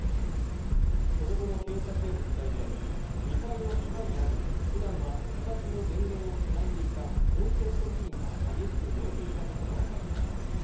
その後の警察への取材で２階の居間にある普段はこたつの電源をつないでいたコンセント付近が激しく燃えていたことが分かりました